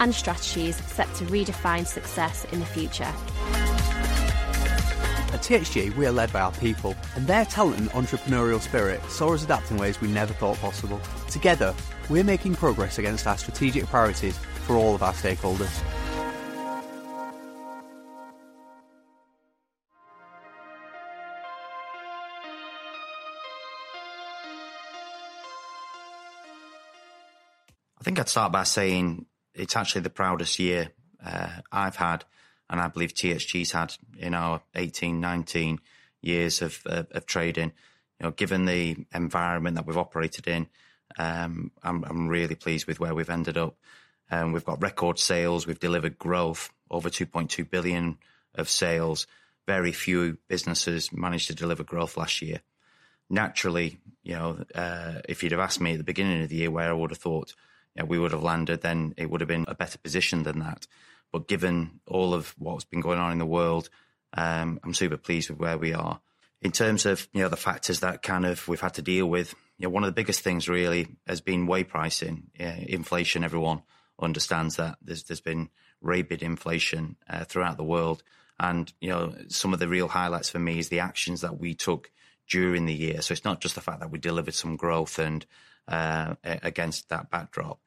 I think I'd start by saying it's actually the proudest year I've had, and I believe THG's had in our 18, 19 years of trading. You know, given the environment that we've operated in, I'm really pleased with where we've ended up. We've got record sales, we've delivered growth, over 2.2 billion of sales. Very few businesses managed to deliver growth last year. Naturally, you know, if you'd have asked me at the beginning of the year where I would have thought, you know, we would have landed, then it would have been a better position than that. Given all of what's been going on in the world, I'm super pleased with where we are. In terms of, you know, the factors that kind of we've had to deal with, you know, one of the biggest things really has been whey pricing inflation. Everyone understands that. There's been rabid inflation throughout the world. You know, some of the real highlights for me is the actions that we took during the year. It's not just the fact that we delivered some growth and against that backdrop,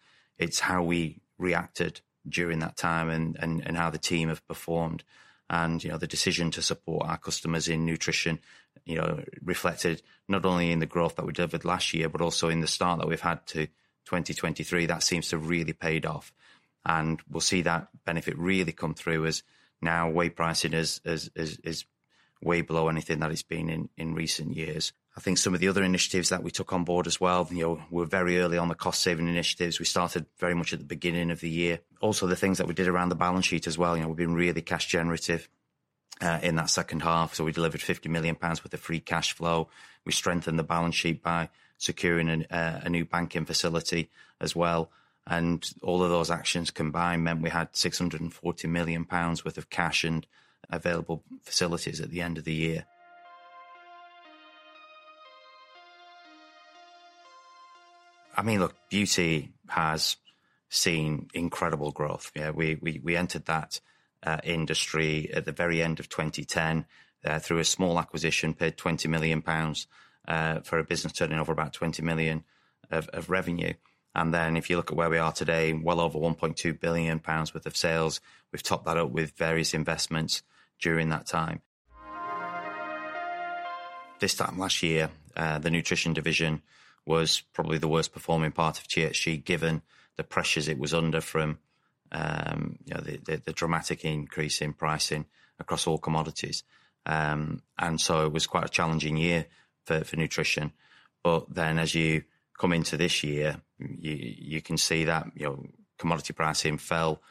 it's how we reacted during that time and how the team have performed. You know, the decision to support our customers in nutrition, you know, reflected not only in the growth that we delivered last year, but also in the start that we've had to 2023. That seems to really paid off, and we'll see that benefit really come through as now whey pricing is way below anything that it's been in recent years. I think some of the other initiatives that we took on board as well, you know, we're very early on the cost-saving initiatives. We started very much at the beginning of the year. Also, the things that we did around the balance sheet as well, you know, we've been really cash generative in that second half. We delivered 50 million pounds with the free cash flow. We strengthened the balance sheet by securing a new banking facility as well. All of those actions combined meant we had 640 million pounds worth of cash and available facilities at the end of the year. I mean, look, beauty has seen incredible growth. Yeah, we entered that industry at the very end of 2010 through a small acquisition, paid 20 million pounds for a business turning over about 20 million of revenue. If you look at where we are today, well over 1.2 billion pounds worth of sales. We've topped that up with various investments during that time. This time last year, the nutrition division was probably the worst performing part of THG, given the pressures it was under from, you know, the dramatic increase in pricing across all commodities. It was quite a challenging year for nutrition. As you come into this year, you can see that, you know, commodity pricing fell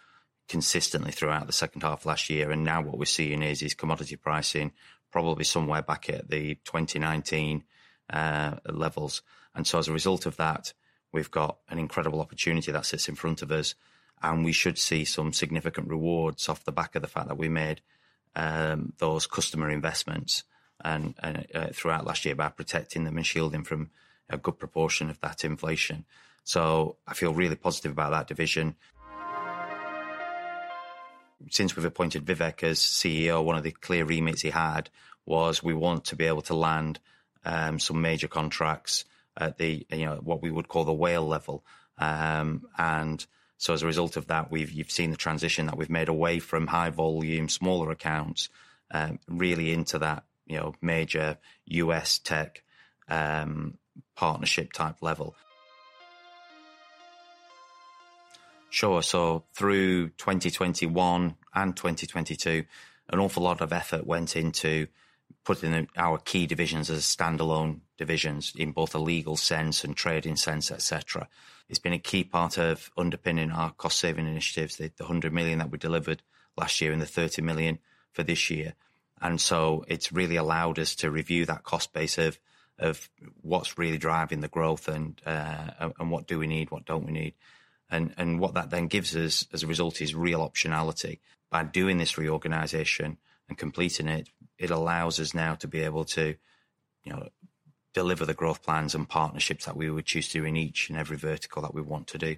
consistently throughout the second half of last year, and now what we're seeing is commodity pricing probably somewhere back at the 2019 levels. As a result of that, we've got an incredible opportunity that sits in front of us, and we should see some significant rewards off the back of the fact that we made those customer investments and throughout last year by protecting them and shielding from a good proportion of that inflation. I feel really positive about that division. Since we've appointed Vivek as CEO, one of the clear remits he had was we want to be able to land some major contracts at the, you know, what we would call the whale level. As a result of that, you've seen the transition that we've made away from high volume, smaller accounts, really into that, you know, major U.S. tech partnership type level. Sure. Through 2021 and 2022, an awful lot of effort went into putting our key divisions as standalone divisions in both a legal sense and trading sense, et cetera. It's been a key part of underpinning our cost-saving initiatives, the 100 million that we delivered last year and the 30 million for this year. It's really allowed us to review that cost base of what's really driving the growth and what do we need, what don't we need. What that then gives us as a result is real optionality. By doing this reorganization and completing it allows us now to be able to, you know, deliver the growth plans and partnerships that we would choose to in each and every vertical that we want to do.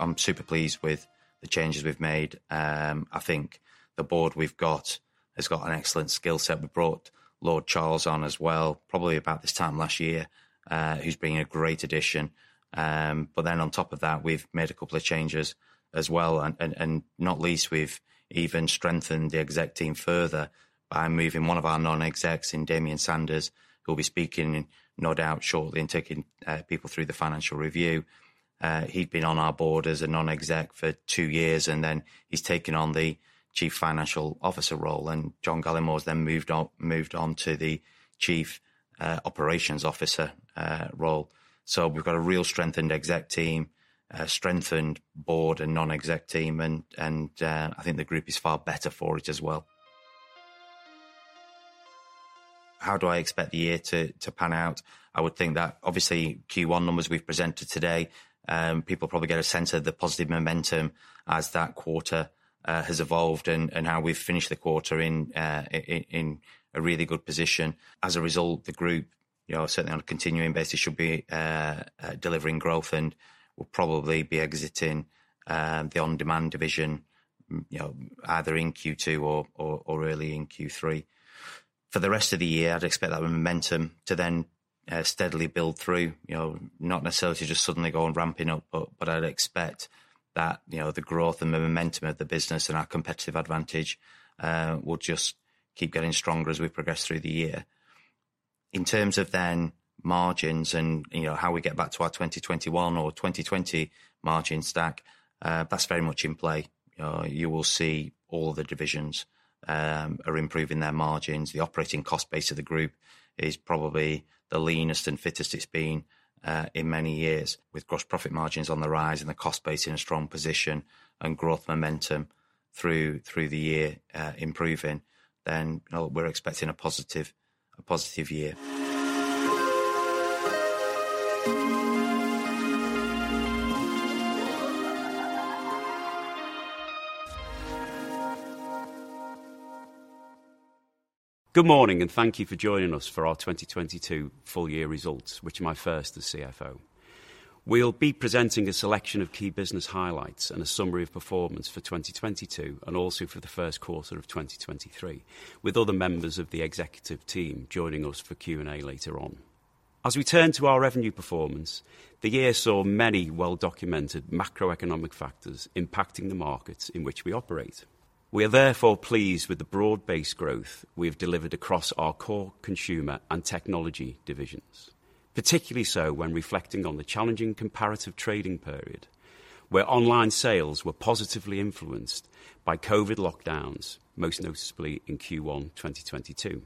I'm super pleased with the changes we've made. I think the board we've got has got an excellent skill set. We brought Lord Charles on as well, probably about this time last year, who's been a great addition. On top of that, we've made a couple of changes as well, and not least, we've even strengthened the exec team further by moving one of our non-execs in Damian Sanders, who'll be speaking no doubt shortly and taking people through the financial review. He'd been on our board as a non-exec for two years, and then he's taken on the chief financial officer role, and John Gallemore's then moved on to the chief operations officer role. We've got a real strengthened exec team, a strengthened board and non-exec team, and I think the group is far better for it as well. How do I expect the year to pan out? I would think that obviously Q1 numbers we've presented today, people probably get a sense of the positive momentum as that quarter has evolved and how we've finished the quarter in a really good position. As a result, the group, you know, certainly on a continuing basis should be delivering growth and will probably be exiting the OnDemand division, you know, either in Q2 or early in Q3. For the rest of the year, I'd expect that momentum to then steadily build through, you know, not necessarily to just suddenly go on ramping up, but I'd expect that, you know, the growth and the momentum of the business and our competitive advantage will just keep getting stronger as we progress through the year. In terms of then margins and, you know, how we get back to our 2021 or 2020 margin stack, that's very much in play. You know, you will see all the divisions are improving their margins. The operating cost base of the group is probably the leanest and fittest it's been in many years, with gross profit margins on the rise and the cost base in a strong position and growth momentum through the year improving, we're expecting a positive year. Good morning. Thank you for joining us for our 2022 full year results, which are my first as CFO. We'll be presenting a selection of key business highlights and a summary of performance for 2022, and also for the first quarter of 2023, with other members of the executive team joining us for Q&A later on. As we turn to our revenue performance, the year saw many well-documented macroeconomic factors impacting the markets in which we operate. We are therefore pleased with the broad-based growth we have delivered across our core consumer and technology divisions, particularly so when reflecting on the challenging comparative trading period, where online sales were positively influenced by COVID lockdowns, most noticeably in Q1 2022.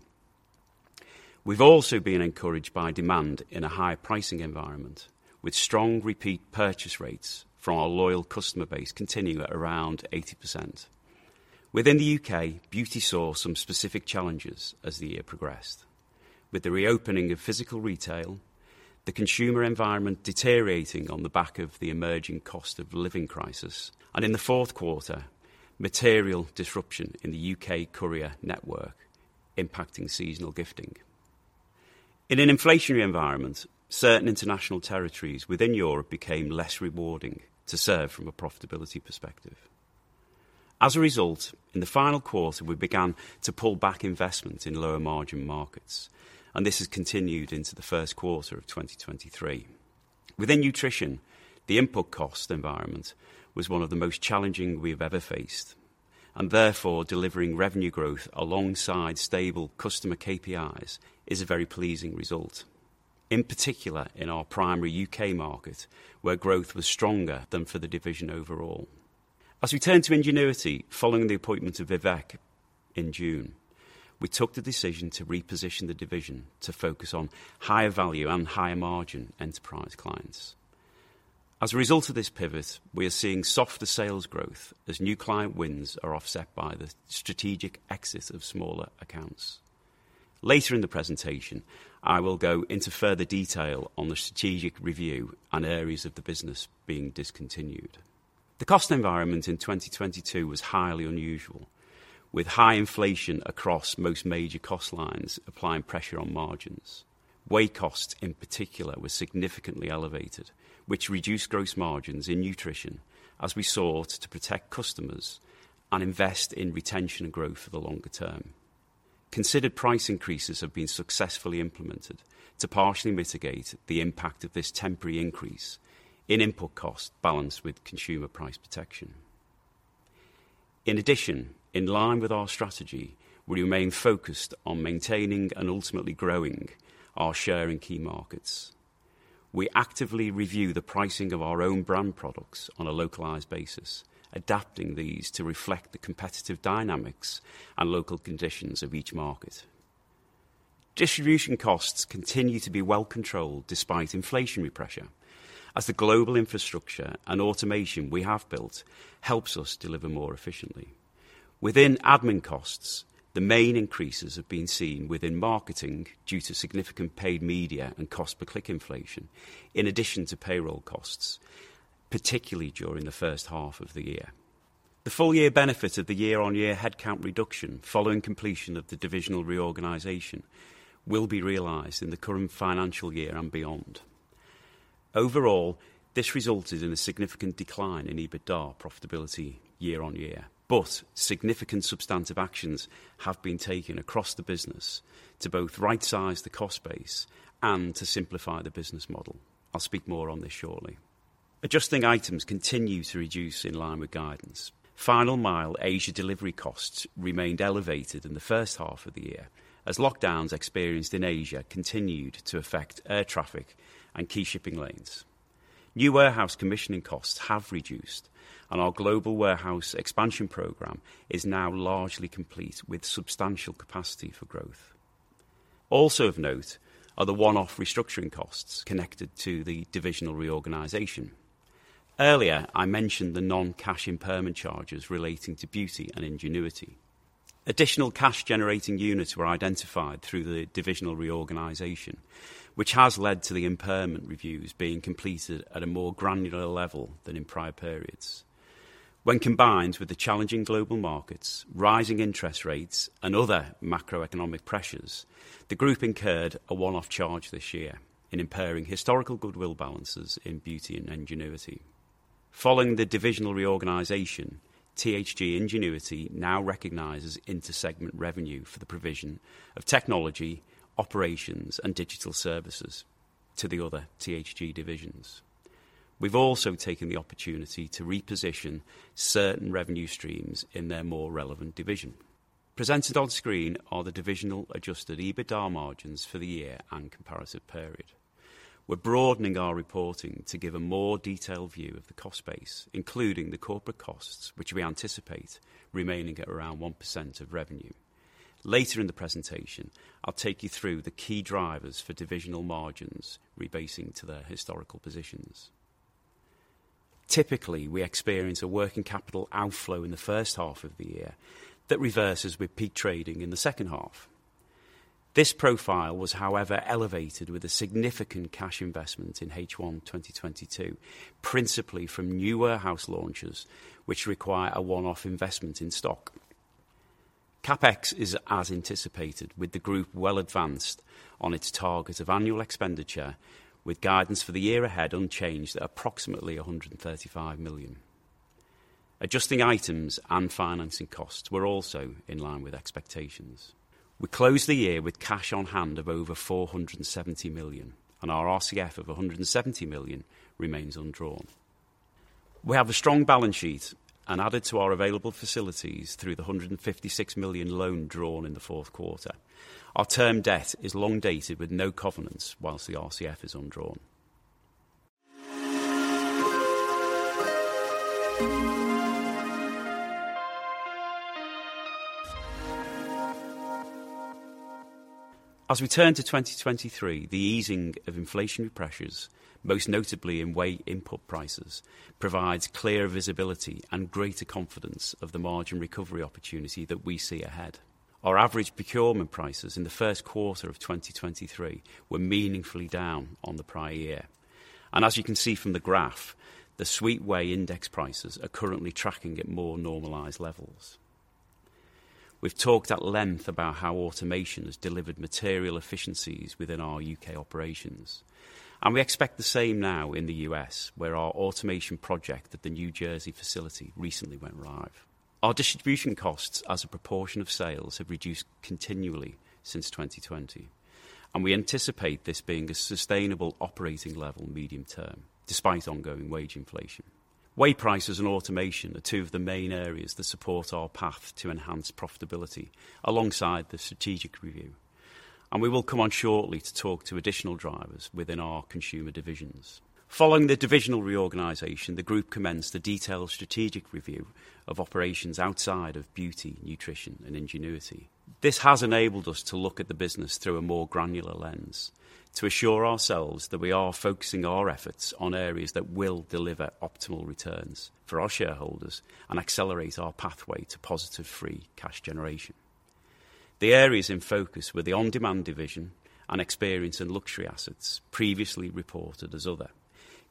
We've also been encouraged by demand in a higher pricing environment, with strong repeat purchase rates from our loyal customer base continuing at around 80%. Within the UK, beauty saw some specific challenges as the year progressed. With the reopening of physical retail, the consumer environment deteriorating on the back of the emerging cost of living crisis, and in the fourth quarter, material disruption in the U.K. courier network impacting seasonal gifting. In an inflationary environment, certain international territories within Europe became less rewarding to serve from a profitability perspective. In the final quarter, we began to pull back investments in lower margin markets, and this has continued into the first quarter of 2023. Within nutrition, the input cost environment was one of the most challenging we have ever faced, and therefore, delivering revenue growth alongside stable customer KPIs is a very pleasing result. In particular, in our primary U.K. market, where growth was stronger than for the division overall. We turn to Ingenuity, following the appointment of Vivek in June, we took the decision to reposition the division to focus on higher value and higher margin enterprise clients. A result of this pivot, we are seeing softer sales growth as new client wins are offset by the strategic exit of smaller accounts. Later in the presentation, I will go into further detail on the strategic review on areas of the business being discontinued. The cost environment in 2022 was highly unusual, with high inflation across most major cost lines applying pressure on margins. Whey cost, in particular, was significantly elevated, which reduced gross margins in nutrition as we sought to protect customers and invest in retention and growth for the longer term. Considered price increases have been successfully implemented to partially mitigate the impact of this temporary increase in input cost balanced with consumer price protection. In addition, in line with our strategy, we remain focused on maintaining and ultimately growing our share in key markets. We actively review the pricing of our own brand products on a localized basis, adapting these to reflect the competitive dynamics and local conditions of each market. Distribution costs continue to be well controlled despite inflationary pressure, as the global infrastructure and automation we have built helps us deliver more efficiently. Within admin costs, the main increases have been seen within marketing due to significant paid media and cost per click inflation in addition to payroll costs, particularly during the first half of the year. The full year benefit of the year-on-year headcount reduction following completion of the divisional reorganization will be realized in the current financial year and beyond. Overall, this resulted in a significant decline in EBITDA profitability year on year. Significant substantive actions have been taken across the business to both right-size the cost base and to simplify the business model. I'll speak more on this shortly. Adjusting items continue to reduce in line with guidance. Final mile Asia delivery costs remained elevated in the first half of the year as lockdowns experienced in Asia continued to affect air traffic and key shipping lanes. New warehouse commissioning costs have reduced, and our global warehouse expansion program is now largely complete with substantial capacity for growth. Also of note are the one-off restructuring costs connected to the divisional reorganization. Earlier, I mentioned the non-cash impairment charges relating to beauty and Ingenuity. Additional cash generating units were identified through the divisional reorganization, which has led to the impairment reviews being completed at a more granular level than in prior periods. When combined with the challenging global markets, rising interest rates, and other macroeconomic pressures, the group incurred a one-off charge this year in impairing historical goodwill balances in Beauty and Ingenuity. Following the divisional reorganization, THG Ingenuity now recognizes inter-segment revenue for the provision of technology, operations, and digital services to the other THG divisions. We've also taken the opportunity to reposition certain revenue streams in their more relevant division. Presented on screen are the divisional adjusted EBITDA margins for the year and comparative period. We're broadening our reporting to give a more detailed view of the cost base, including the corporate costs, which we anticipate remaining at around 1% of revenue. Later in the presentation, I'll take you through the key drivers for divisional margins rebasing to their historical positions. Typically, we experience a working capital outflow in the first half of the year that reverses with peak trading in the second half. This profile was, however, elevated with a significant cash investment in H1 2022, principally from new warehouse launches, which require a one-off investment in stock. CapEx is as anticipated with the group well advanced on its target of annual expenditure with guidance for the year ahead unchanged at approximately 135 million. Adjusting items and financing costs were also in line with expectations. We closed the year with cash on hand of over 470 million, and our RCF of 170 million remains undrawn. We have a strong balance sheet and added to our available facilities through the 156 million loan drawn in the fourth quarter. Our term debt is long dated with no covenants whilst the RCF is undrawn. As we turn to 2023, the easing of inflationary pressures, most notably in whey input prices, provides clear visibility and greater confidence of the margin recovery opportunity that we see ahead. Our average procurement prices in the first quarter of 2023 were meaningfully down on the prior year. As you can see from the graph, the Sweet Whey index prices are currently tracking at more normalized levels. We've talked at length about how automation has delivered material efficiencies within our U.K. operations, and we expect the same now in the U.S., where our automation project at the New Jersey facility recently went live. Our distribution costs as a proportion of sales have reduced continually since 2020. We anticipate this being a sustainable operating level medium term despite ongoing wage inflation. Whey prices and automation are two of the main areas that support our path to enhance profitability alongside the strategic review. We will come on shortly to talk to additional drivers within our consumer divisions. Following the divisional reorganization, the group commenced a detailed strategic review of operations outside of beauty, nutrition, and ingenuity. This has enabled us to look at the business through a more granular lens to assure ourselves that we are focusing our efforts on areas that will deliver optimal returns for our shareholders and accelerate our pathway to positive free cash generation. The areas in focus were the OnDemand division and experience and luxury assets previously reported as other.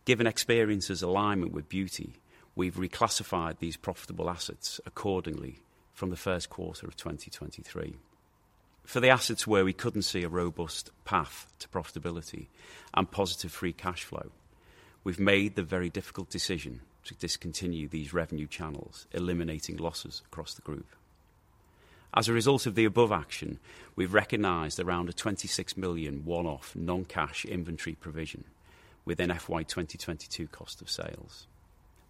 Given experience's alignment with beauty, we've reclassified these profitable assets accordingly from the first quarter of 2023. For the assets where we couldn't see a robust path to profitability and positive free cash flow, we've made the very difficult decision to discontinue these revenue channels, eliminating losses across the group. As a result of the above action, we've recognized around a 26 million one-off non-cash inventory provision within FY 2022 cost of sales.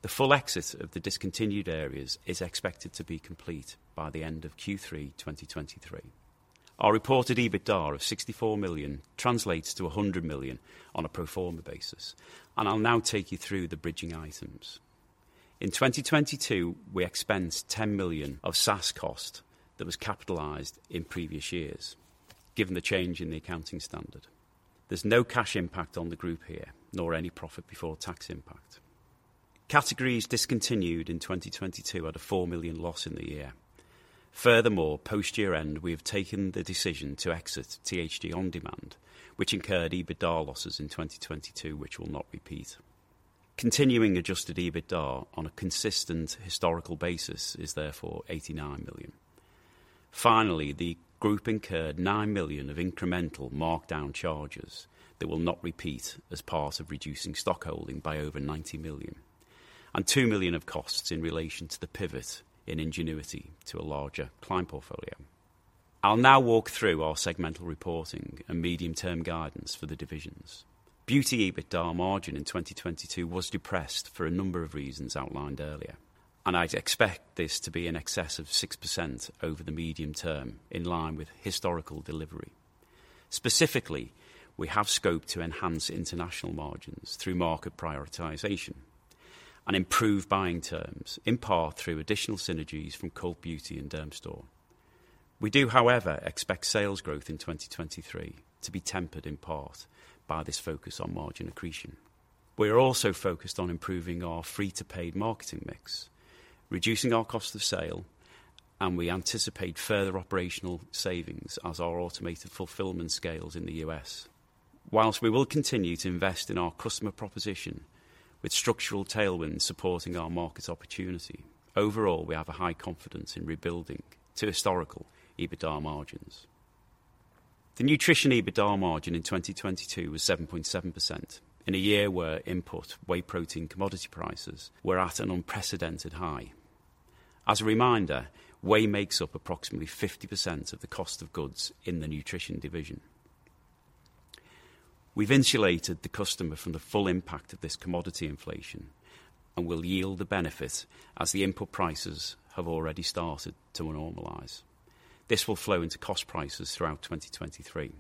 The full exit of the discontinued areas is expected to be complete by the end of Q3 2023. Our reported EBITDA of 64 million translates to 100 million on a pro forma basis. I'll now take you through the bridging items. In 2022, we expensed 10 million of SaaS cost that was capitalized in previous years, given the change in the accounting standard. There's no cash impact on the group here, nor any profit before tax impact. Categories discontinued in 2022 had a 4 million loss in the year. Furthermore, post year-end, we have taken the decision to exit THG OnDemand, which incurred EBITDA losses in 2022 which will not repeat. Continuing adjusted EBITDA on a consistent historical basis is therefore 89 million. Finally, the group incurred 9 million of incremental markdown charges that will not repeat as part of reducing stock holding by over 90 million and 2 million of costs in relation to the pivot in Ingenuity to a larger client portfolio. I'll now walk through our segmental reporting and medium-term guidance for the divisions. Beauty EBITDA margin in 2022 was depressed for a number of reasons outlined earlier, I'd expect this to be in excess of 6% over the medium term, in line with historical delivery. Specifically, we have scope to enhance international margins through market prioritization and improve buying terms, in part through additional synergies from Cult Beauty and Dermstore. We do, however, expect sales growth in 2023 to be tempered in part by this focus on margin accretion. We are also focused on improving our free to paid marketing mix, reducing our cost of sale, We anticipate further operational savings as our automated fulfillment scales in the U.S. We will continue to invest in our customer proposition with structural tailwinds supporting our market opportunity, overall, we have a high confidence in rebuilding to historical EBITDA margins. The Nutrition EBITDA margin in 2022 was 7.7% in a year where input whey protein commodity prices were at an unprecedented high. As a reminder, whey makes up approximately 50% of the cost of goods in the Nutrition division. We've insulated the customer from the full impact of this commodity inflation and will yield the benefit as the input prices have already started to normalize. This will flow into cost prices throughout 2023.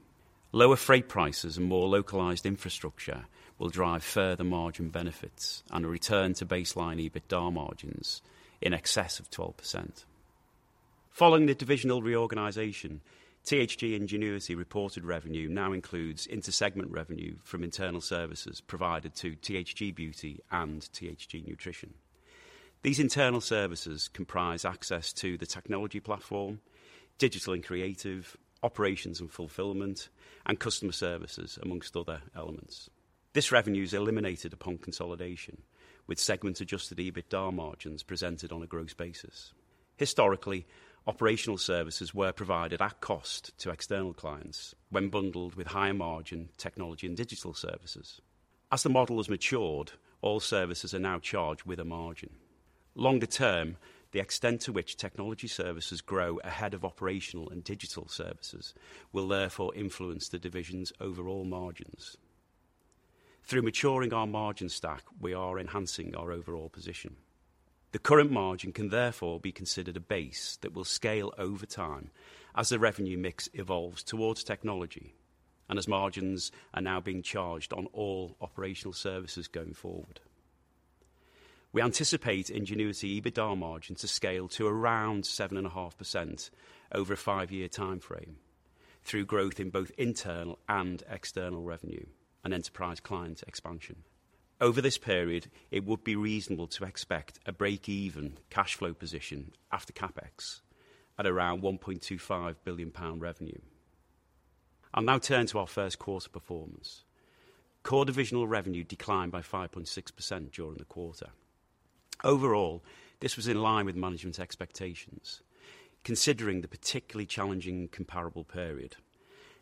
Lower freight prices and more localized infrastructure will drive further margin benefits and a return to baseline EBITDA margins in excess of 12%. Following the divisional reorganization, THG Ingenuity reported revenue now includes inter-segment revenue from internal services provided to THG Beauty and THG Nutrition. These internal services comprise access to the technology platform, digital and creative, operations and fulfillment, and customer services, amongst other elements. This revenue is eliminated upon consolidation, with segment-adjusted EBITDA margins presented on a gross basis. Historically, operational services were provided at cost to external clients when bundled with higher margin technology and digital services. As the model has matured, all services are now charged with a margin. Longer term, the extent to which technology services grow ahead of operational and digital services will therefore influence the division's overall margins. Through maturing our margin stack, we are enhancing our overall position. The current margin can therefore be considered a base that will scale over time as the revenue mix evolves towards technology and as margins are now being charged on all operational services going forward. We anticipate Ingenuity EBITDA margin to scale to around 7.5% over a 5-year timeframe through growth in both internal and external revenue and enterprise client expansion. Over this period, it would be reasonable to expect a break-even cash flow position after CapEx at around 1.25 billion pound revenue. I'll now turn to our first quarter performance. Core divisional revenue declined by 5.6% during the quarter. Overall, this was in line with management's expectations, considering the particularly challenging comparable period,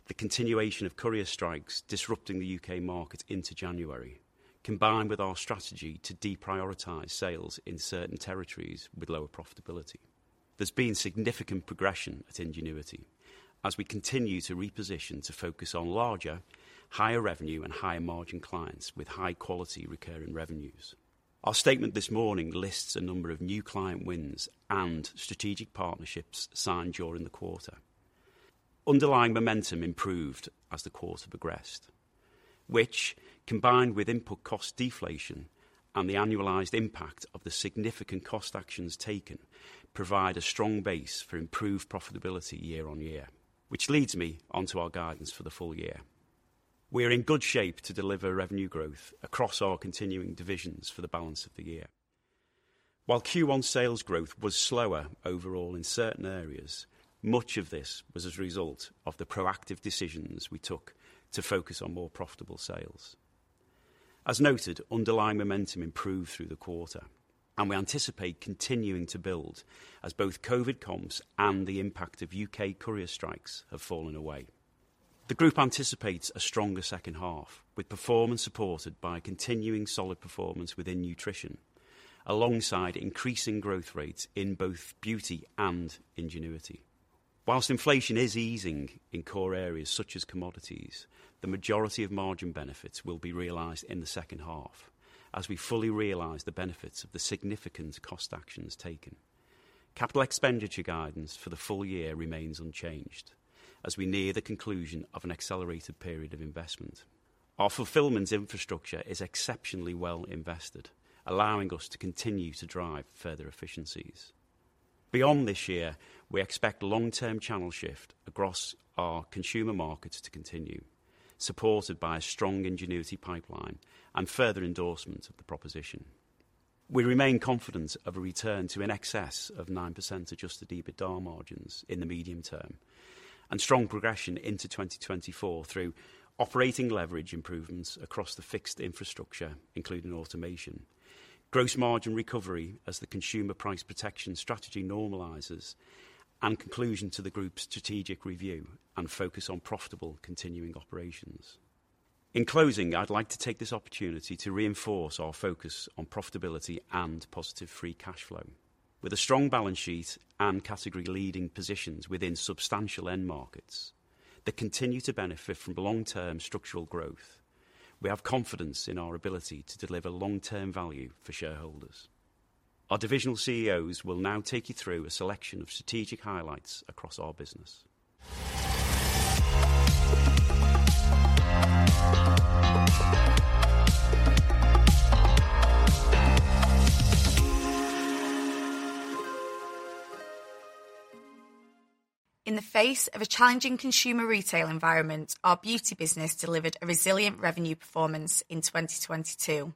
the continuation of courier strikes disrupting the U.K. market into January, combined with our strategy to deprioritize sales in certain territories with lower profitability. There's been significant progression at Ingenuity as we continue to reposition to focus on larger, higher revenue, and higher margin clients with high quality recurring revenues. Our statement this morning lists a number of new client wins and strategic partnerships signed during the quarter. Underlying momentum improved as the quarter progressed, which, combined with input cost deflation and the annualized impact of the significant cost actions taken, provide a strong base for improved profitability year on year. Which leads me onto our guidance for the full year. We are in good shape to deliver revenue growth across our continuing divisions for the balance of the year. While Q1 sales growth was slower overall in certain areas, much of this was as a result of the proactive decisions we took to focus on more profitable sales. As noted, underlying momentum improved through the quarter, and we anticipate continuing to build as both COVID comps and the impact of U.K. courier strikes have fallen away. The group anticipates a stronger second half with performance supported by continuing solid performance within Nutrition alongside increasing growth rates in both Beauty and Ingenuity. Whilst inflation is easing in core areas such as commodities, the majority of margin benefits will be realized in the second half as we fully realize the benefits of the significant cost actions taken. Capital expenditure guidance for the full year remains unchanged as we near the conclusion of an accelerated period of investment. Our fulfillment infrastructure is exceptionally well invested, allowing us to continue to drive further efficiencies. Beyond this year, we expect long-term channel shift across our consumer markets to continue, supported by a strong Ingenuity pipeline and further endorsement of the proposition. We remain confident of a return to in excess of 9% adjusted EBITDA margins in the medium term and strong progression into 2024 through operating leverage improvements across the fixed infrastructure, including automation, gross margin recovery as the consumer price protection strategy normalizes, and conclusion to the group's strategic review and focus on profitable continuing operations. In closing, I'd like to take this opportunity to reinforce our focus on profitability and positive free cash flow. With a strong balance sheet and category leading positions within substantial end markets that continue to benefit from long-term structural growth, we have confidence in our ability to deliver long-term value for shareholders. Our divisional CEOs will now take you through a selection of strategic highlights across our business. In the face of a challenging consumer retail environment, our beauty business delivered a resilient revenue performance in 2022,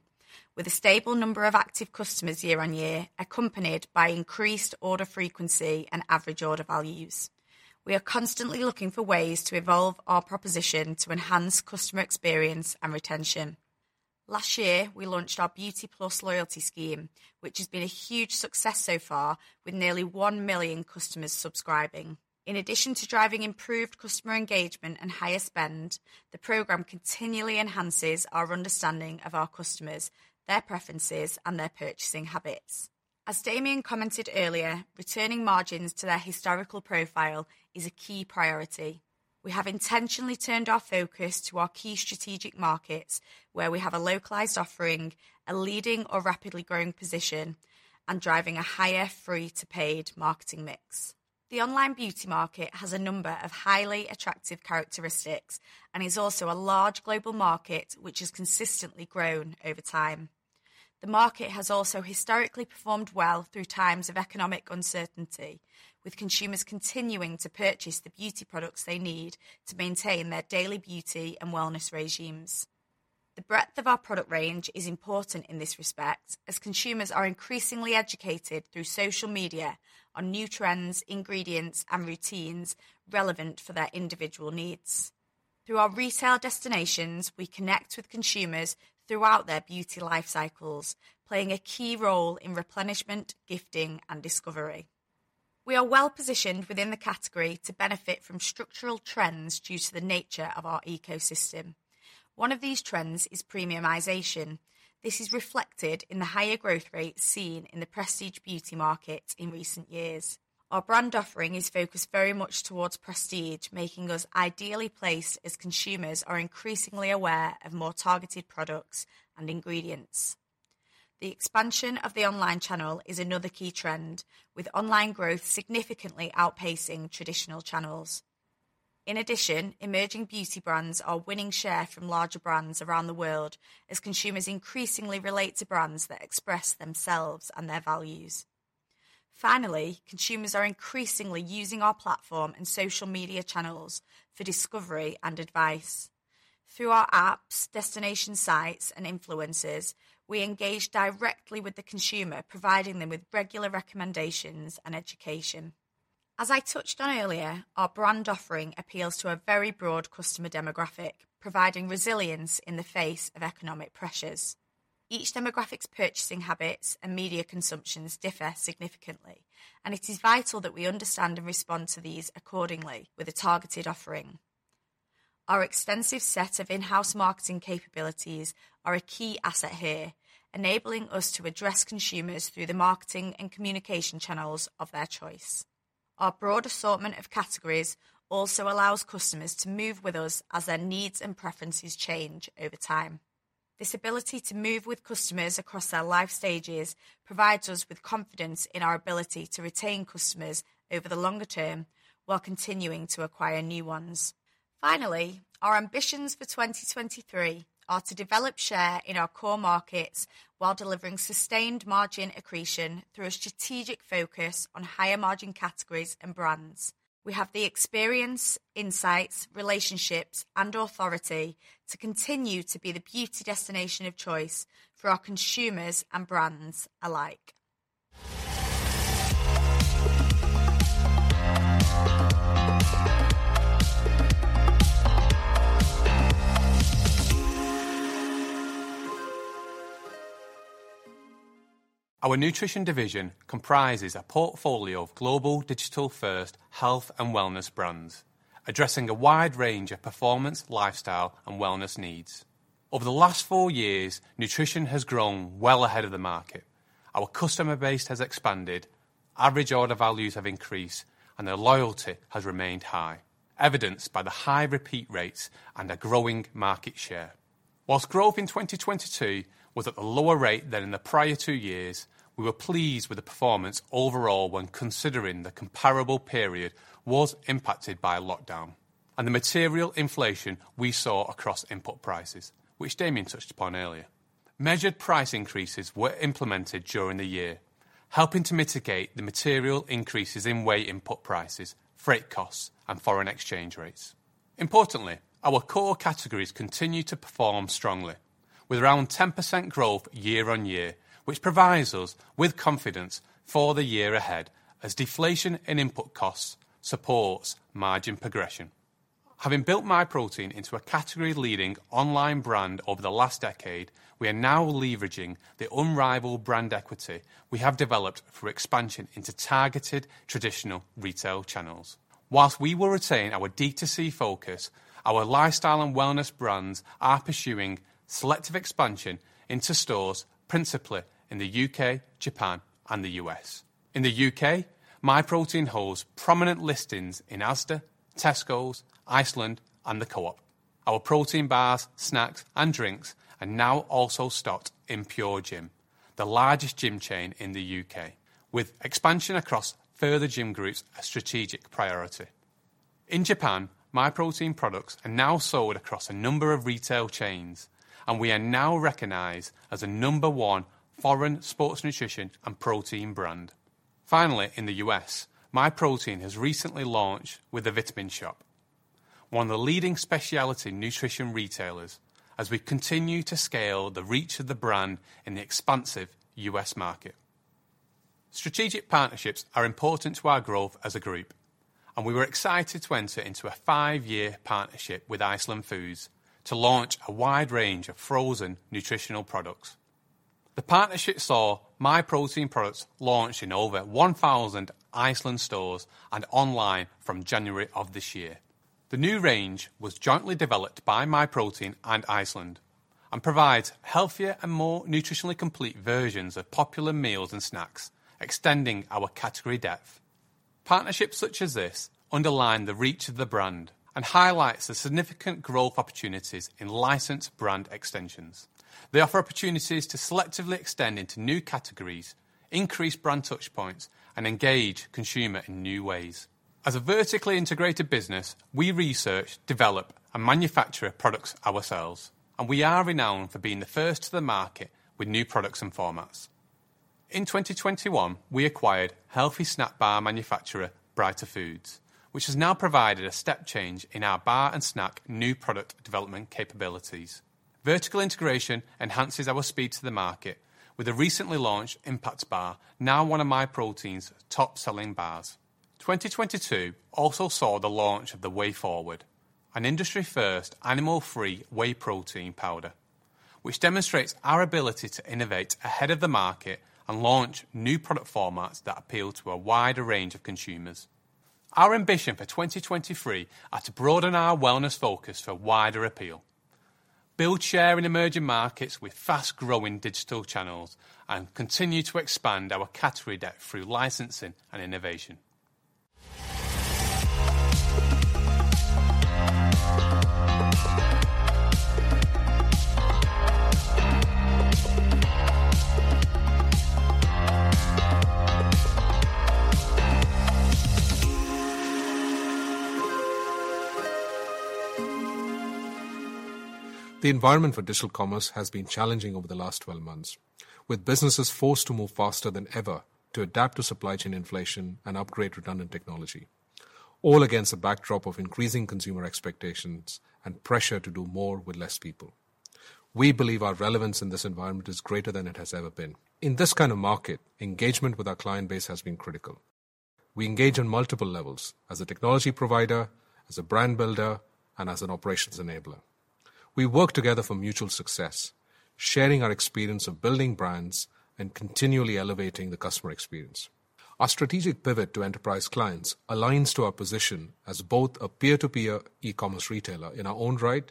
with a stable number of active customers year-over-year, accompanied by increased order frequency and average order values. We are constantly looking for ways to evolve our proposition to enhance customer experience and retention. Last year, we launched our Beauty Plus loyalty scheme, which has been a huge success so far with nearly 1 million customers subscribing. In addition to driving improved customer engagement and higher spend, the program continually enhances our understanding of our customers, their preferences, and their purchasing habits. As Damian commented earlier, returning margins to their historical profile is a key priority. We have intentionally turned our focus to our key strategic markets where we have a localized offering, a leading or rapidly growing position, and driving a higher free to paid marketing mix. The online beauty market has a number of highly attractive characteristics and is also a large global market which has consistently grown over time. The market has also historically performed well through times of economic uncertainty, with consumers continuing to purchase the beauty products they need to maintain their daily beauty and wellness regimes. The breadth of our product range is important in this respect as consumers are increasingly educated through social media on new trends, ingredients, and routines relevant for their individual needs. Through our retail destinations, we connect with consumers throughout their beauty life cycles, playing a key role in replenishment, gifting, and discovery. We are well-positioned within the category to benefit from structural trends due to the nature of our ecosystem. One of these trends is premiumization. This is reflected in the higher growth rate seen in the prestige beauty market in recent years. Our brand offering is focused very much towards prestige, making us ideally placed as consumers are increasingly aware of more targeted products and ingredients. The expansion of the online channel is another key trend, with online growth significantly outpacing traditional channels. In addition, emerging beauty brands are winning share from larger brands around the world as consumers increasingly relate to brands that express themselves and their values. Finally, consumers are increasingly using our platform and social media channels for discovery and advice. Through our apps, destination sites, and influencers, we engage directly with the consumer, providing them with regular recommendations and education. As I touched on earlier, our brand offering appeals to a very broad customer demographic, providing resilience in the face of economic pressures. Each demographic's purchasing habits and media consumptions differ significantly, and it is vital that we understand and respond to these accordingly with a targeted offering. Our extensive set of in-house marketing capabilities are a key asset here, enabling us to address consumers through the marketing and communication channels of their choice. Our broad assortment of categories also allows customers to move with us as their needs and preferences change over time. This ability to move with customers across our life stages provides us with confidence in our ability to retain customers over the longer term while continuing to acquire new ones. Finally, our ambitions for 2023 are to develop share in our core markets while delivering sustained margin accretion through a strategic focus on higher margin categories and brands. We have the experience, insights, relationships, and authority to continue to be the beauty destination of choice for our consumers and brands alike. Our Nutrition division comprises a portfolio of global digital-first health and wellness brands addressing a wide range of performance, lifestyle, and wellness needs. Over the last 4 years, Nutrition has grown well ahead of the market. Our customer base has expanded, average order values have increased, and their loyalty has remained high, evidenced by the high repeat rates and a growing market share. Whilst growth in 2022 was at a lower rate than in the prior 2 years, we were pleased with the performance overall when considering the comparable period was impacted by lockdown and the material inflation we saw across input prices, which Damian touched upon earlier. Measured price increases were implemented during the year, helping to mitigate the material increases in whey input prices, freight costs, and foreign exchange rates. Importantly, our core categories continue to perform strongly with around 10% growth year-over-year, which provides us with confidence for the year ahead as deflation in input costs supports margin progression. Having built Myprotein into a category leading online brand over the last decade, we are now leveraging the unrivaled brand equity we have developed for expansion into targeted traditional retail channels. Whilst we will retain our D2C focus, our lifestyle and wellness brands are pursuing selective expansion into stores, principally in the U.K., Japan, and the U.S.. In the U.K., Myprotein holds prominent listings in Asda, Tesco, Iceland, and the Co-op. Our protein bars, snacks, and drinks are now also stocked in PureGym, the largest gym chain in the U.K., with expansion across further gym groups a strategic priority. In Japan, Myprotein products are now sold across a number of retail chains. We are now recognized as the number one foreign sports nutrition and protein brand. Finally, in the U.S., Myprotein has recently launched with The Vitamin Shoppe, one of the leading specialty nutrition retailers as we continue to scale the reach of the brand in the expansive U.S. market. Strategic partnerships are important to our growth as a group. We were excited to enter into a five-year partnership with Iceland Foods to launch a wide range of frozen nutritional products. The partnership saw Myprotein products launch in over 1,000 Iceland stores and online from January of this year. The new range was jointly developed by Myprotein and Iceland and provides healthier and more nutritionally complete versions of popular meals and snacks, extending our category depth. Partnerships such as this underline the reach of the brand and highlights the significant growth opportunities in licensed brand extensions. They offer opportunities to selectively extend into new categories, increase brand touch points, and engage consumer in new ways. As a vertically integrated business, we research, develop, and manufacture products ourselves, and we are renowned for being the first to the market with new products and formats. In 2021, we acquired healthy snack bar manufacturer Brighter Foods, which has now provided a step change in our bar and snack new product development capabilities. Vertical integration enhances our speed to the market with the recently launched Impact Bar, now one of Myprotein's top-selling bars. 2022 also saw the launch of The Whey Forward, an industry first animal-free whey protein powder, which demonstrates our ability to innovate ahead of the market and launch new product formats that appeal to a wider range of consumers. Our ambition for 2023 are to broaden our wellness focus for wider appeal, build share in emerging markets with fast-growing digital channels, and continue to expand our category depth through licensing and innovation. The environment for digital commerce has been challenging over the last 12 months, with businesses forced to move faster than ever to adapt to supply chain inflation and upgrade redundant technology, all against a backdrop of increasing consumer expectations and pressure to do more with less people. We believe our relevance in this environment is greater than it has ever been. In this kind of market, engagement with our client base has been critical. We engage on multiple levels as a technology provider, as a brand builder, and as an operations enabler. We work together for mutual success, sharing our experience of building brands and continually elevating the customer experience. Our strategic pivot to enterprise clients aligns to our position as both a peer-to-peer e-commerce retailer in our own right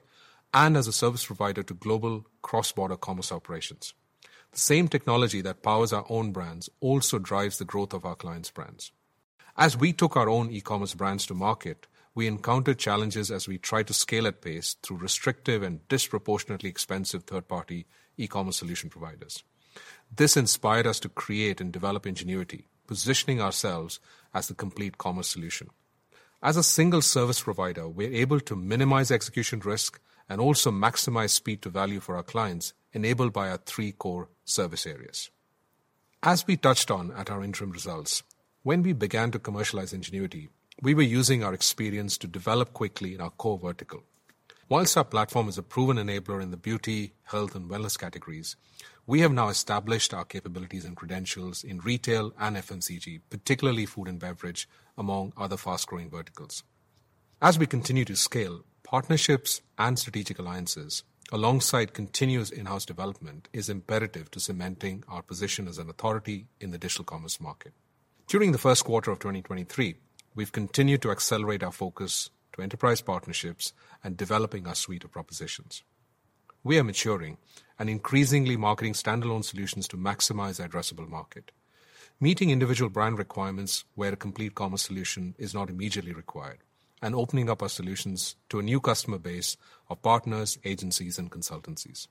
and as a service provider to global cross-border commerce operations. The same technology that powers our own brands also drives the growth of our clients' brands. As we took our own e-commerce brands to market, we encountered challenges as we tried to scale at pace through restrictive and disproportionately expensive third-party e-commerce solution providers. This inspired us to create and develop Ingenuity, positioning ourselves as the complete commerce solution. As a single service provider, we're able to minimize execution risk and also maximize speed to value for our clients enabled by our three core service areas. As we touched on at our interim results, when we began to commercialize Ingenuity, we were using our experience to develop quickly in our core vertical. Whilst our platform is a proven enabler in the beauty, health, and wellness categories, we have now established our capabilities and credentials in retail and FMCG, particularly food and beverage, among other fast-growing verticals. As we continue to scale, partnerships and strategic alliances alongside continuous in-house development is imperative to cementing our position as an authority in the digital commerce market. During the first quarter of 2023, we've continued to accelerate our focus to enterprise partnerships and developing our suite of propositions. We are maturing and increasingly marketing standalone solutions to maximize the addressable market, meeting individual brand requirements where a complete commerce solution is not immediately required, and opening up our solutions to a new customer base of partners, agencies, and consultancies.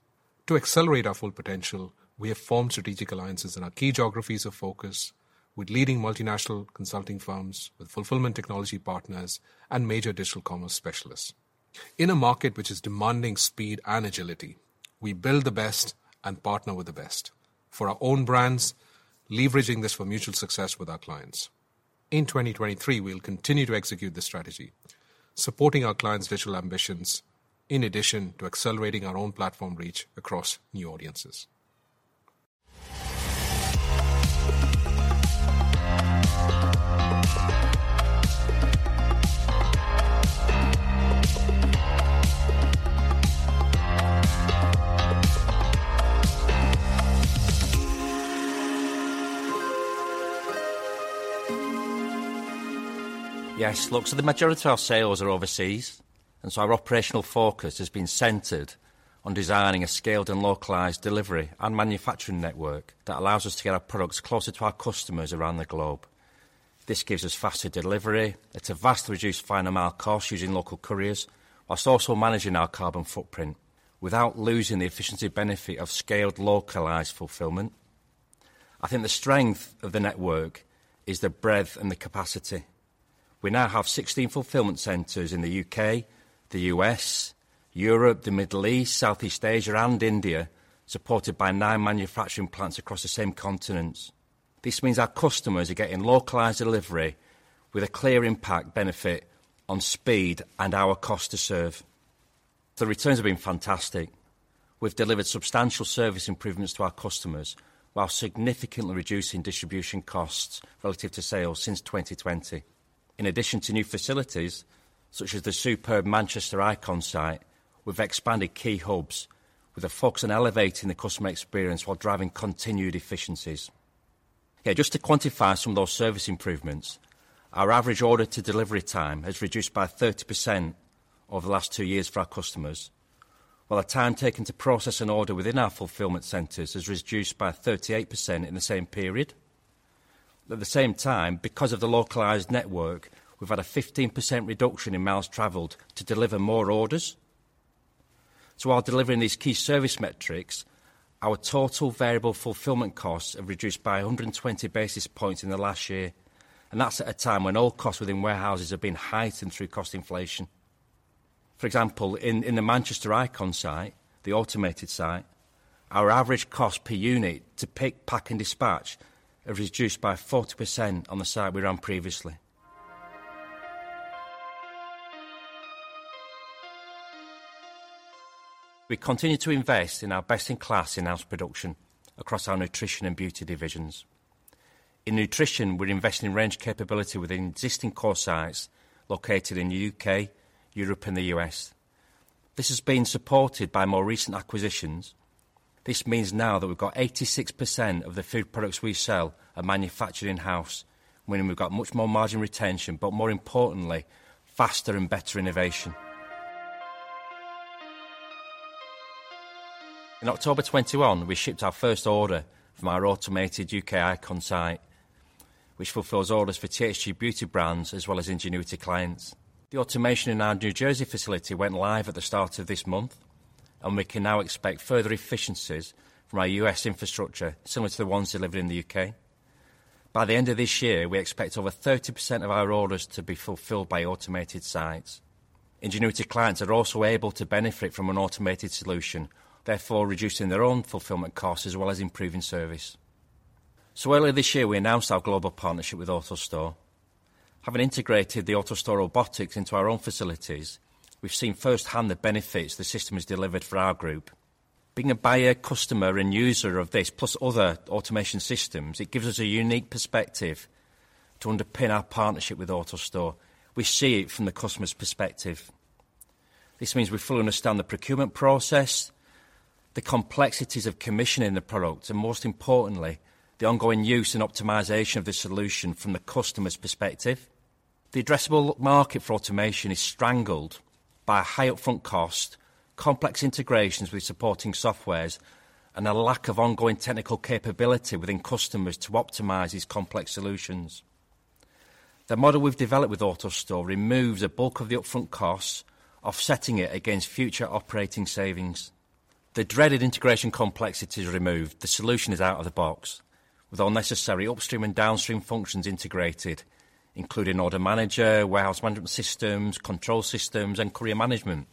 To accelerate our full potential, we have formed strategic alliances in our key geographies of focus with leading multinational consulting firms, with fulfillment technology partners, and major digital commerce specialists. In a market which is demanding speed and agility, we build the best and partner with the best for our own brands, leveraging this for mutual success with our clients. In 2023, we'll continue to execute this strategy, supporting our clients' digital ambitions in addition to accelerating our own platform reach across new audiences. Yes. Look, the majority of our sales are overseas, our operational focus has been centered on designing a scaled and localized delivery and manufacturing network that allows us to get our products closer to our customers around the globe. This gives us faster delivery. It's a vastly reduced final mile cost using local couriers, while also managing our carbon footprint without losing the efficiency benefit of scaled, localized fulfillment. I think the strength of the network is the breadth and the capacity. We now have 16 fulfillment centers in the U.K., the U.S., Europe, the Middle East, Southeast Asia, and India, supported by 9 manufacturing plants across the same continents. This means our customers are getting localized delivery with a clear impact benefit on speed and our cost to serve. The returns have been fantastic. We've delivered substantial service improvements to our customers while significantly reducing distribution costs relative to sales since 2020. In addition to new facilities, such as the superb Manchester Icon site, we've expanded key hubs with a focus on elevating the customer experience while driving continued efficiencies. Okay, just to quantify some of those service improvements, our average order to delivery time has reduced by 30% over the last 2 years for our customers, while our time taken to process an order within our fulfillment centers has reduced by 38% in the same period. At the same time, because of the localized network, we've had a 15% reduction in miles traveled to deliver more orders. While delivering these key service metrics, our total variable fulfillment costs have reduced by 120 basis points in the last year, and that's at a time when all costs within warehouses have been heightened through cost inflation. For example, in the Manchester Icon site, the automated site, our average cost per unit to pick, pack, and dispatch have reduced by 40% on the site we ran previously. We continue to invest in our best-in-class in-house production across our Nutrition and Beauty divisions. In Nutrition, we're investing in range capability within existing core sites located in the U.K., Europe, and the U.S. This has been supported by more recent acquisitions. This means now that we've got 86% of the food products we sell are manufactured in-house, meaning we've got much more margin retention, more importantly, faster and better innovation. In October 2021, we shipped our first order from our automated U.K. Icon site, which fulfills orders for THG Beauty brands as well as Ingenuity clients. The automation in our New Jersey facility went live at the start of this month, and we can now expect further efficiencies from our U.S. infrastructure, similar to the ones delivered in the U.K. By the end of this year, we expect over 30% of our orders to be fulfilled by automated sites. Ingenuity clients are also able to benefit from an automated solution, therefore reducing their own fulfillment costs as well as improving service. Earlier this year, we announced our global partnership with AutoStore. Having integrated the AutoStore robotics into our own facilities, we've seen firsthand the benefits the system has delivered for our group. Being a buyer, customer, and user of this plus other automation systems, it gives us a unique perspective to underpin our partnership with AutoStore. We see it from the customer's perspective. This means we fully understand the procurement process, the complexities of commissioning the product, and most importantly, the ongoing use and optimization of the solution from the customer's perspective. The addressable market for automation is strangled by high upfront cost, complex integrations with supporting softwares, and a lack of ongoing technical capability within customers to optimize these complex solutions. The model we've developed with AutoStore removes a bulk of the upfront costs, offsetting it against future operating savings. The dreaded integration complexity is removed. The solution is out of the box with all necessary upstream and downstream functions integrated, including order manager, warehouse management systems, control systems, and courier management.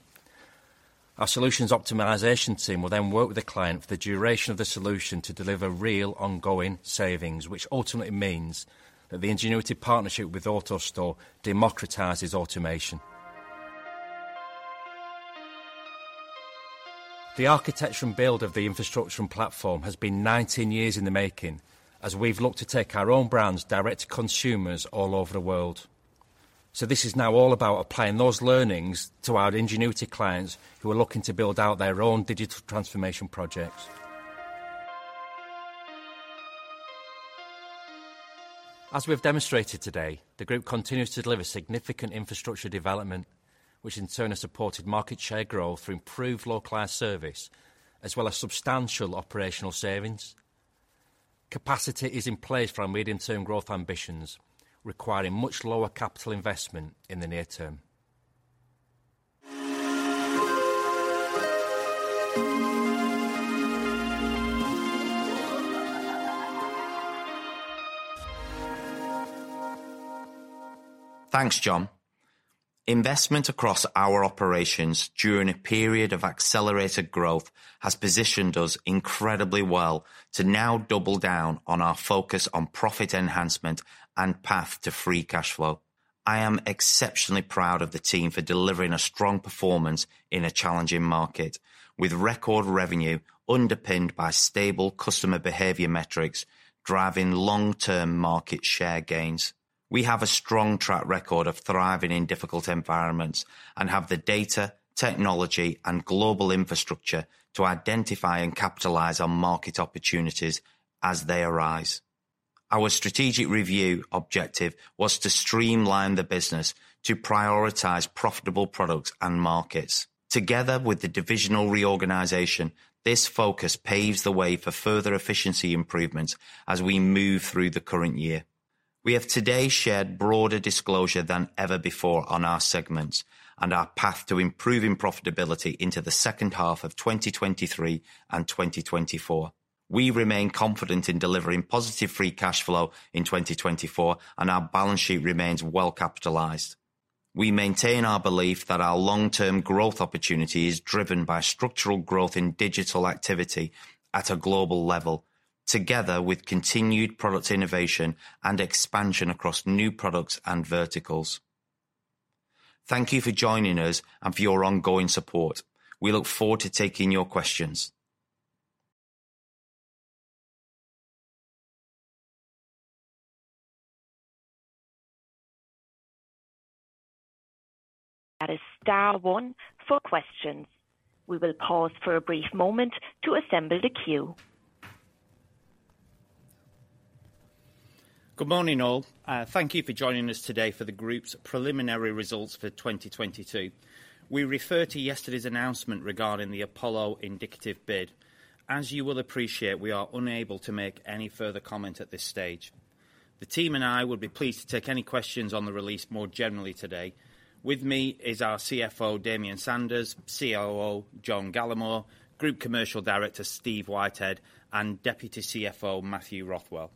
Our solutions optimization team will then work with the client for the duration of the solution to deliver real ongoing savings, which ultimately means that the Ingenuity partnership with AutoStore democratizes automation. The architecture and build of the infrastructure and platform has been 19 years in the making as we've looked to take our own brands direct to consumers all over the world. This is now all about applying those learnings to our Ingenuity clients who are looking to build out their own digital transformation projects. As we have demonstrated today, the group continues to deliver significant infrastructure development, which in turn has supported market share growth through improved localized service as well as substantial operational savings. Capacity is in place for our medium-term growth ambitions, requiring much lower capital investment in the near term. Thanks, John. Investment across our operations during a period of accelerated growth has positioned us incredibly well to now double down on our focus on profit enhancement and path to free cash flow. I am exceptionally proud of the team for delivering a strong performance in a challenging market with record revenue underpinned by stable customer behavior metrics, driving long-term market share gains. We have a strong track record of thriving in difficult environments and have the data, technology, and global infrastructure to identify and capitalize on market opportunities as they arise. Our strategic review objective was to streamline the business to prioritize profitable products and markets. Together with the divisional reorganization, this focus paves the way for further efficiency improvements as we move through the current year. We have today shared broader disclosure than ever before on our segments and our path to improving profitability into the second half of 2023 and 2024. We remain confident in delivering positive free cash flow in 2024, and our balance sheet remains well capitalized. We maintain our belief that our long-term growth opportunity is driven by structural growth in digital activity at a global level, together with continued product innovation and expansion across new products and verticals. Thank you for joining us and for your ongoing support. We look forward to taking your questions. That is star one for questions. We will pause for a brief moment to assemble the queue. Good morning, all. Thank you for joining us today for the group's preliminary results for 2022. We refer to yesterday's announcement regarding the Apollo indicative bid. As you will appreciate, we are unable to make any further comment at this stage. The team and I will be pleased to take any questions on the release more generally today. With me is our CFO, Damian Sanders, COO, John Gallemore, Group Commercial Director, Steve Whitehead, and Deputy CFO, Matthew Rothwell.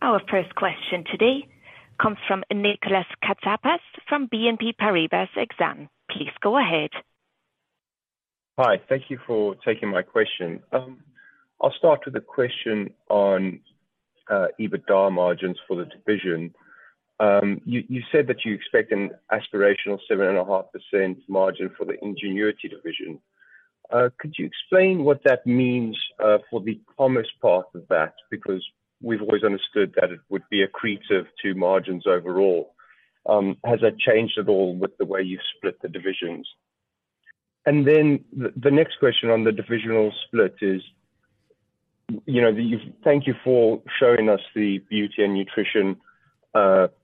Our first question today comes from Nicolas Katsapas from BNP Paribas Exane. Please go ahead. Hi. Thank you for taking my question. I'll start with a question on EBITDA margins for the division. You said that you expect an aspirational 7.5% margin for the Ingenuity division. Could you explain what that means for the commerce part of that? Because we've always understood that it would be accretive to margins overall. Has that changed at all with the way you've split the divisions? The next question on the divisional split is, you know, Thank you for showing us the Beauty and Nutrition,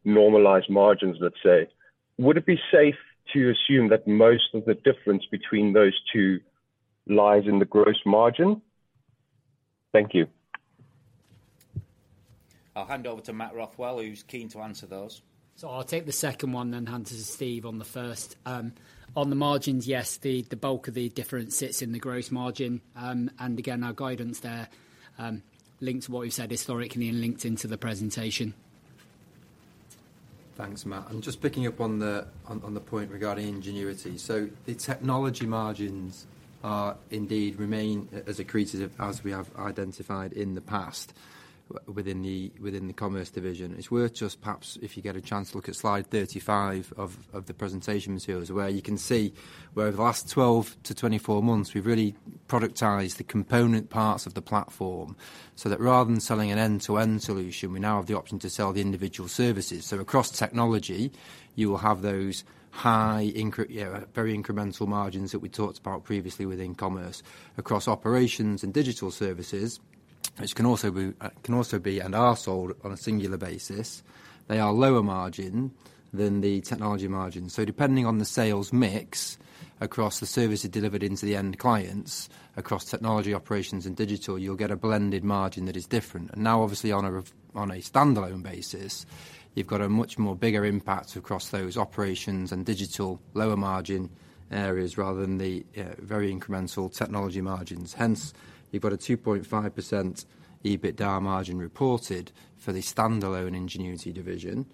normalized margins, let's say. Would it be safe to assume that most of the difference between those two lies in the gross margin? Thank you. I'll hand over to Matt Rothwell, who's keen to answer those. I'll take the second one, then hand to Steve on the first. On the margins, yes, the bulk of the difference sits in the gross margin, and again, our guidance there, linked to what you said historically and linked into the presentation. Thanks, Matt, just picking up on the point regarding Ingenuity. The technology margins are indeed remain as accretive as we have identified in the past within the Commerce division. It's worth just perhaps if you get a chance to look at slide 35 of the presentation materials, where you can see where over the last 12-24 months we've really productized the component parts of the platform, so that rather than selling an end-to-end solution, we now have the option to sell the individual services. Across technology, you will have those high very incremental margins that we talked about previously within Commerce. Across operations and digital services, which can also be and are sold on a singular basis, they are lower margin than the technology margin. Depending on the sales mix across the services delivered into the end clients across technology, operations, and digital, you'll get a blended margin that is different. Now obviously on a standalone basis, you've got a much more bigger impact across those operations and digital lower margin areas rather than the very incremental technology margins. Hence, you've got a 2.5% EBITDA margin reported for the standalone Ingenuity division,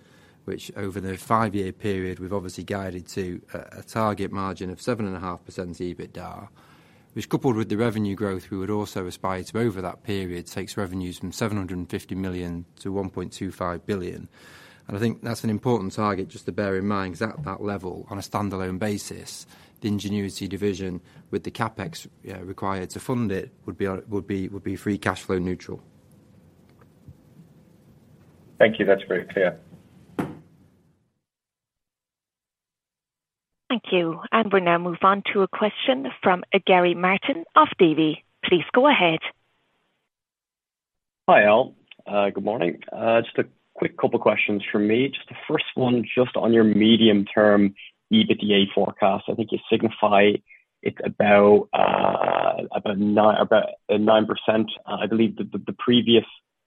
which over the 5-year period, we've obviously guided to a target margin of 7.5% EBITDA. Which coupled with the revenue growth, we would also aspire to over that period, takes revenues from 750 million to 1.25 billion. I think that's an important target just to bear in mind, 'cause at that level, on a standalone basis, the Ingenuity division with the CapEx required to fund it would be free cash flow neutral. Thank you. That's very clear. Thank you. We now move on to a question from Gary Martin of Davy. Please go ahead. Hi, all. Good morning. Just a quick couple questions from me. Just the first one just on your medium term EBITDA forecast. I think you signify it's about 9%. I believe the previous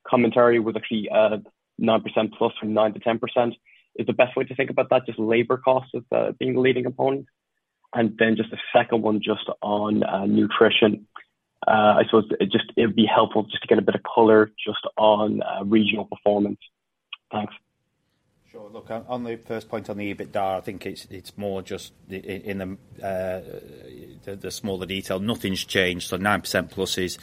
commentary was actually 9% plus from 9%-10%. Is the best way to think about that just labor cost as being the leading component? Just a second one just on nutrition. I suppose it would be helpful just to get a bit of color just on regional performance. Thanks. Sure. Look, on the first point on the EBITDA, I think it's more just in the smaller detail, nothing's changed. 9% plus is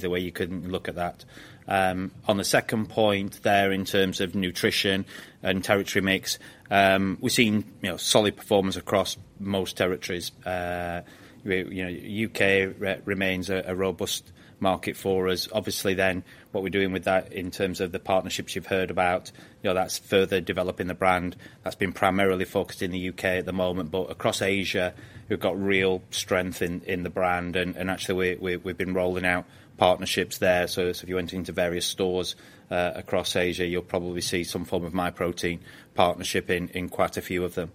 the way you can look at that. On the second point there in terms of Nutrition and territory mix, we're seeing, you know, solid performance across most territories. You know, U.K. remains a robust market for us. What we're doing with that in terms of the partnerships you've heard about, you know, that's further developing the brand that's been primarily focused in the U.K. at the moment. Across Asia, we've got real strength in the brand. And actually we've been rolling out partnerships there. If you went into various stores across Asia, you'll probably see some form of Myprotein partnership in quite a few of them.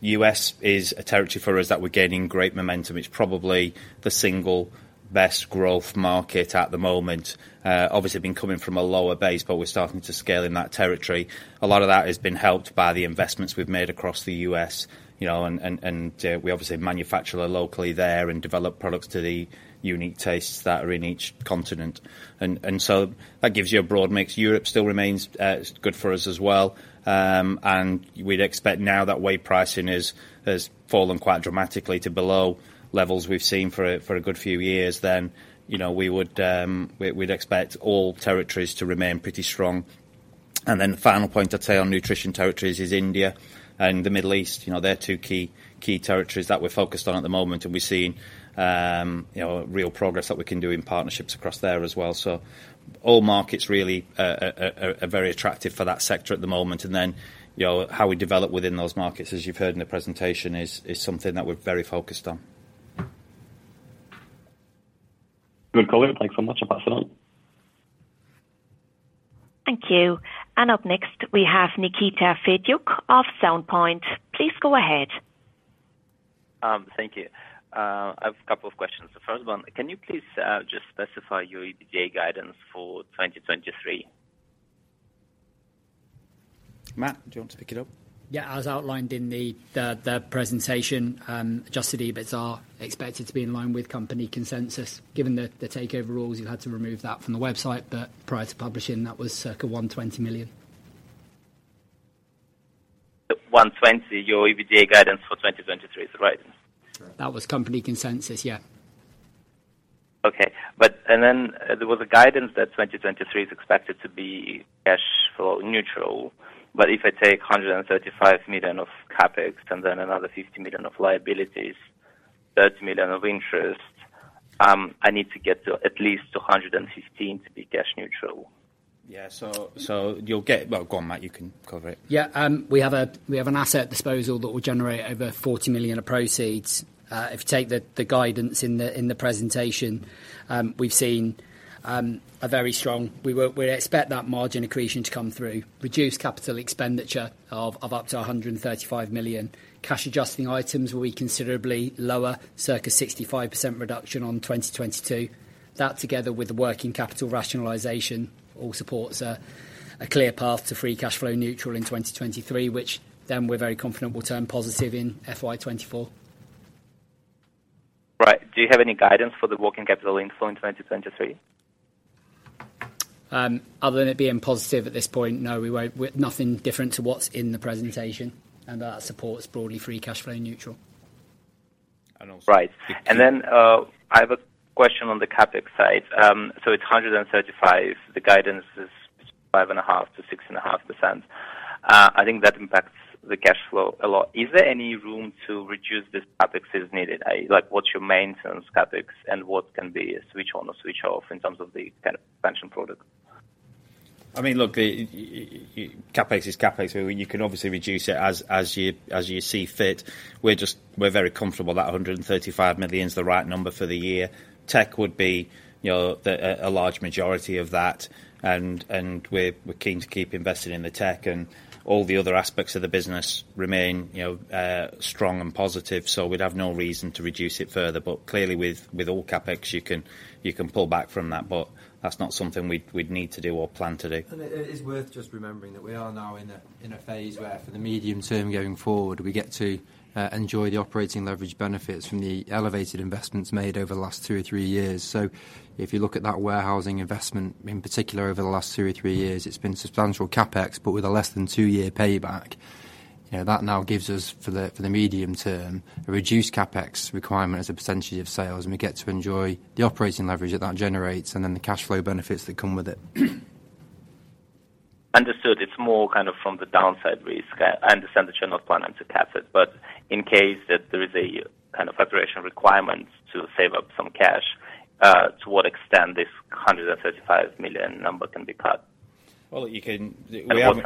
U.S. is a territory for us that we're gaining great momentum. It's probably the single best growth market at the moment. Obviously been coming from a lower base, but we're starting to scale in that territory. A lot of that has been helped by the investments we've made across the U.S., you know, and we obviously manufacture locally there and develop products to the unique tastes that are in each continent. So that gives you a broad mix. Europe still remains good for us as well. We'd expect now that whey pricing has fallen quite dramatically to below levels we've seen for a good few years then, you know, we would, we'd expect all territories to remain pretty strong. Final point I'd say on nutrition territories is India and the Middle East. You know, they're two key territories that we're focused on at the moment, and we're seeing, you know, real progress that we can do in partnerships across there as well. All markets really are very attractive for that sector at the moment. You know, how we develop within those markets, as you've heard in the presentation, is something that we're very focused on. Good color. Thanks so much. I'll pass it on. Thank you. Up next we have Nikita Fedyuk of Sound Point. Please go ahead. Thank you. I've a couple of questions. The first one, can you please just specify your EBITDA guidance for 2023? Matt, do you want to pick it up? Yeah. As outlined in the presentation, adjusted EBITDA are expected to be in line with company consensus. Given the takeover rules, you had to remove that from the website, but prior to publishing, that was circa 120 million. 120, your EBITDA guidance for 2023, is that right? That was company consensus, yeah. Okay. There was a guidance that 2023 is expected to be cash flow neutral. If I take 135 million of CapEx and then another 50 million of liabilities, 30 million of interest, I need to get to at least 215 million to be cash neutral. Yeah. So, you'll get... Well, go on, Matt, you can cover it. We have an asset disposal that will generate over 40 million of proceeds. If you take the guidance in the presentation, we expect that margin accretion to come through. Reduce CapEx of up to 135 million. Cash adjusting items will be considerably lower, circa 65% reduction on 2022. That together with the working capital rationalization all supports a clear path to free cash flow neutral in 2023, which then we're very confident will turn positive in FY 2024. Right. Do you have any guidance for the working capital inflow in 2023? Other than it being positive at this point, no, we won't. We've nothing different to what's in the presentation. That supports broadly free cash flow neutral. And also- Right. I have a question on the CapEx side. So it's 135. The guidance is 5.5%-6.5%. I think that impacts the cash flow a lot. Is there any room to reduce this CapEx if needed? Like, what's your maintenance CapEx and what can be switched on or switched off in terms of the kind of expansion product? I mean, look, the CapEx is CapEx. You can obviously reduce it as you, as you see fit. We're very comfortable that 135 million is the right number for the year. Tech would be, you know, the, a large majority of that, and we're keen to keep investing in the tech and all the other aspects of the business remain, you know, strong and positive. We'd have no reason to reduce it further. Clearly with all CapEx, you can, you can pull back from that, but that's not something we'd need to do or plan to do. It, it is worth just remembering that we are now in a, in a phase where for the medium term going forward, we get to enjoy the operating leverage benefits from the elevated investments made over the last two or three years. If you look at that warehousing investment, in particular over the last two or three years, it's been substantial CapEx, but with a less than two-year payback. You know, that now gives us for the, for the medium term, a reduced CapEx requirement as a percentage of sales, and we get to enjoy the operating leverage that that generates and then the cash flow benefits that come with it. Understood. It's more kind of from the downside risk. I understand that you're not planning to cap it, but in case that there is a kind of operation requirement to save up some cash, to what extent this 135 million number can be cut? Well, you can... We have-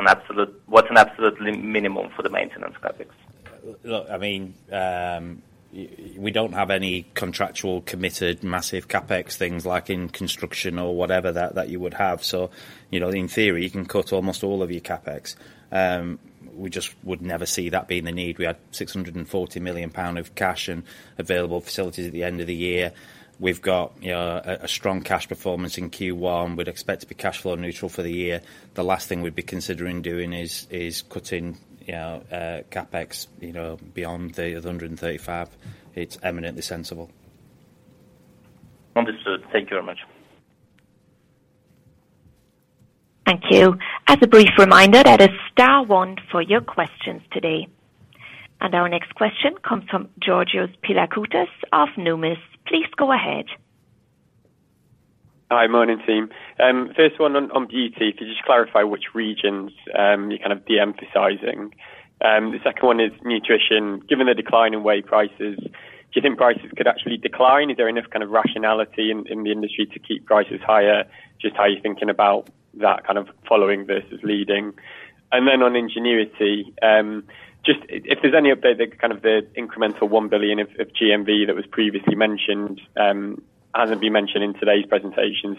what's an absolute minimum for the maintenance CapEx? Look, I mean, we don't have any contractual committed massive CapEx things like in construction or whatever that you would have. You know, in theory, you can cut almost all of your CapEx. We just would never see that being the need. We had 640 million pound of cash and available facilities at the end of the year. We've got, you know, a strong cash performance in Q1. We'd expect to be cash flow neutral for the year. The last thing we'd be considering doing is cutting, you know, CapEx, you know, beyond the other 135. It's eminently sensible. Understood. Thank you very much. Thank you. As a brief reminder, that is star one for your questions today. Our next question comes from Georgios Pilakoutas of Numis. Please go ahead. Hi. Morning, team. First one on beauty. Could you just clarify which regions you're kind of de-emphasizing? The second one is nutrition. Given the decline in whey prices, do you think prices could actually decline? Is there enough kind of rationality in the industry to keep prices higher? Just how you're thinking about that kind of following versus leading. On Ingenuity, just if there's any update, the kind of the incremental 1 billion of GMV that was previously mentioned, hasn't been mentioned in today's presentation.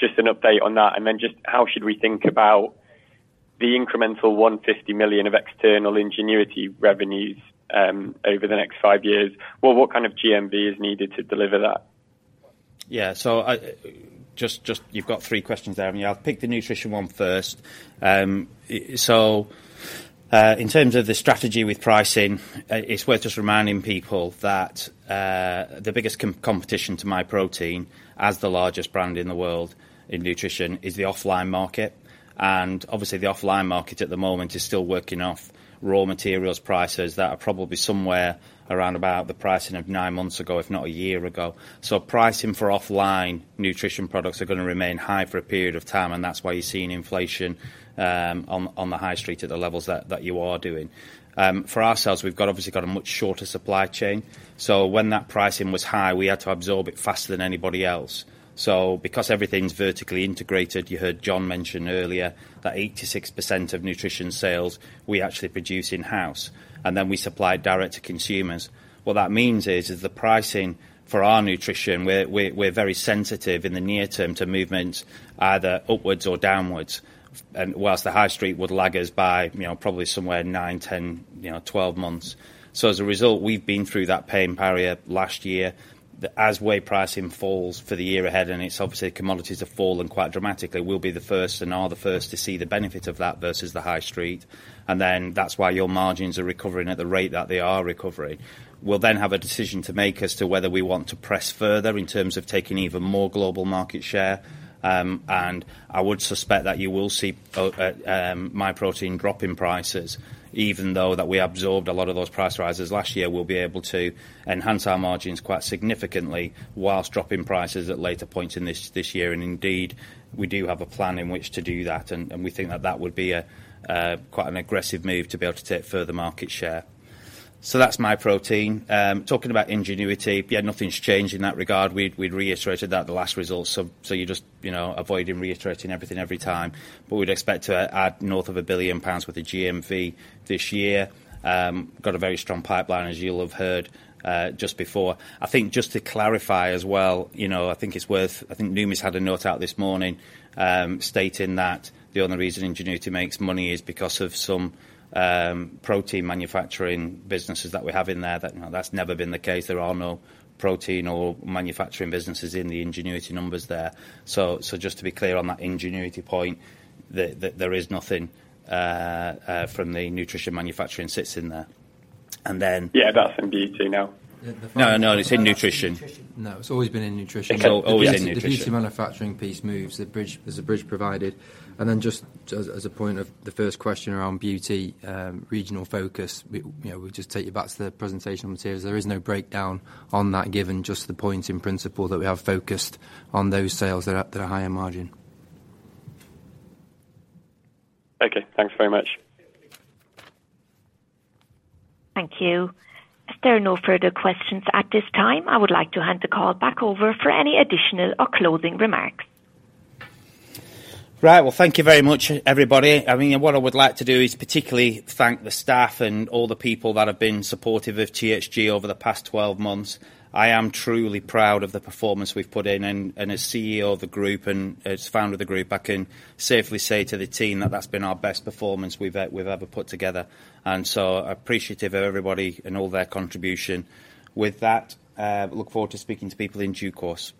Just an update on that, just how should we think about the incremental 150 million of external Ingenuity revenues over the next five years? What, what kind of GMV is needed to deliver that? Yeah. Just, you've got three questions there. I mean, I'll pick the nutrition one first. In terms of the strategy with pricing, it's worth just reminding people that the biggest competition to Myprotein as the largest brand in the world in nutrition is the offline market. Obviously, the offline market at the moment is still working off raw materials prices that are probably somewhere around about the pricing of 9 months ago, if not 1 year ago. Pricing for offline nutrition products are going to remain high for a period of time, and that's why you're seeing inflation on the high street at the levels that you are doing. For ourselves, we've got obviously got a much shorter supply chain. When that pricing was high, we had to absorb it faster than anybody else. Because everything's vertically integrated, you heard John Gallemore mention earlier, that 86% of nutrition sales we actually produce in-house, and then we supply direct to consumers. What that means is, the pricing for our nutrition, we're very sensitive in the near term to movements either upwards or downwards. And whilst the high street would lag us by, you know, probably somewhere 9, 10, you know, 12 months. As a result, we've been through that pain barrier last year. As whey pricing falls for the year ahead and it's obviously commodities have fallen quite dramatically, we'll be the first and are the first to see the benefit of that versus the high street. That's why your margins are recovering at the rate that they are recovering. We'll have a decision to make as to whether we want to press further in terms of taking even more global market share. I would suspect that you will see Myprotein drop in prices. Even though that we absorbed a lot of those price rises last year, we'll be able to enhance our margins quite significantly whilst dropping prices at later points in this year. Indeed, we do have a plan in which to do that. We think that that would be a quite an aggressive move to be able to take further market share. That's Myprotein. Talking about Ingenuity, yeah, nothing's changed in that regard. We'd reiterated that at the last results, you know, avoiding reiterating everything every time. We'd expect to add north of 1 billion pounds worth of GMV this year. Got a very strong pipeline, as you'll have heard just before. I think just to clarify as well, you know, I think Numis had a note out this morning, stating that the only reason Ingenuity makes money is because of some protein manufacturing businesses that we have in there. No, that's never been the case. There are no protein or manufacturing businesses in the Ingenuity numbers there. So just to be clear on that Ingenuity point, the, there is nothing from the nutrition manufacturing sits in there. Yeah, that's in beauty now. No, no, it's in nutrition. In nutrition. No, it's always been in nutrition. It's always in nutrition. If the beauty manufacturing piece moves, the bridge, there's a bridge provided. Just as a point of the first question around beauty, regional focus, we, you know, we'll just take you back to the presentation materials. There is no breakdown on that given just the point in principle that we have focused on those sales that are at the higher margin. Okay, thanks very much. Thank you. If there are no further questions at this time, I would like to hand the call back over for any additional or closing remarks. Right. Well, thank you very much, everybody. I mean, what I would like to do is particularly thank the staff and all the people that have been supportive of THG over the past 12 months. I am truly proud of the performance we've put in. And as CEO of the group and as founder of the group, I can safely say to the team that that's been our best performance we've ever put together. So appreciative of everybody and all their contribution. With that, look forward to speaking to people in due course.